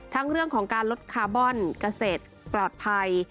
ทั้งเรื่องของการลดคาร์บอนเกษตรปลอดภัย